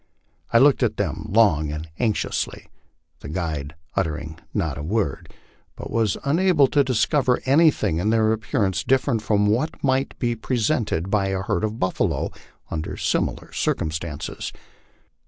I looked at them long and anxiously, the guide uttering not a word, but was unable to discover anything in their appearance different from what might be presented by a herd of buffalo under similar circumstances.